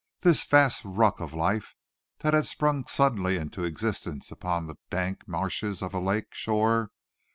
This vast ruck of life that had sprung suddenly into existence upon the dank marshes of a lake shore.